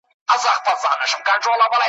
له بارونو له زخمونو له ترټلو ,